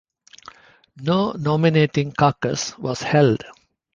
No nominating caucus was held.